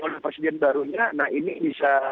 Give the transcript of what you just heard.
oleh presiden barunya nah ini bisa